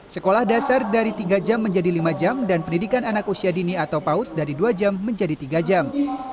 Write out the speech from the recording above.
sekolah dasar dari tiga jam menjadi lima jam dan pendidikan anak usia dini atau paut dari dua jam menjadi tiga jam